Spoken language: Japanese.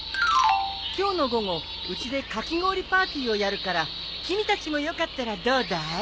今日の午後うちでかき氷パーティーをやるから君たちもよかったらどうだい？